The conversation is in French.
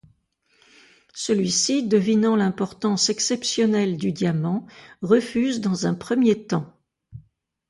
Celui-ci, devinant l'importance exceptionnelle du diamant, refuse dans un premier temps.